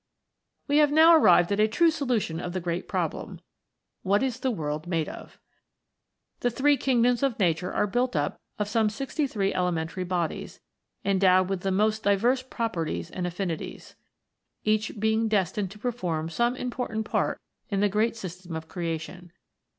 We have now arrived at a true solution of the great problem what is the world made of 1 ? The three kingdoms of nature are built up of some sixty three elementary bodies, endowed with the most diverse properties and affinities ; each being destined to perform some important part in the great system of creation.